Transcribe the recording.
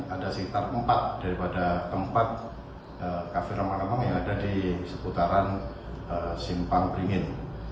ada sekitar empat daripada tempat kafe rempang remang yang ada di seputaran simpang beringin